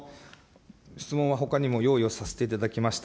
質問はほかにも用意をさせていただきました。